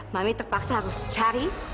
mami terpaksa harus cari